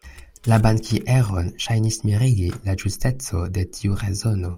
La bankieron ŝajnis mirigi la ĝusteco de tiu rezono.